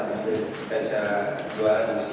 kita bisa dua dua siang juga ya masih dua